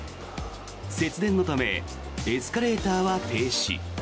節電のためエスカレーターは停止。